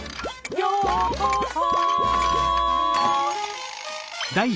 「ようこそ」